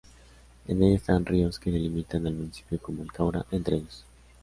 En ella están ríos que delimitan al municipio como el Caura, entre otros.